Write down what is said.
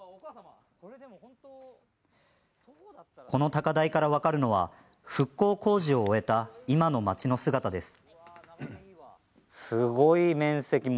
この高台から分かるのは復興工事を終えた今の町の姿です。